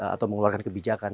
atau mengeluarkan kebijakan